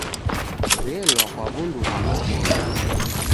W'elwa kwa w'undu ghwa magome.